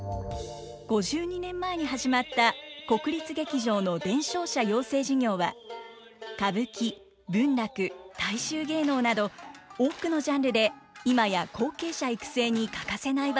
５２年前に始まった国立劇場の伝承者養成事業は歌舞伎文楽大衆芸能など多くのジャンルで今や後継者育成に欠かせない場所となっています。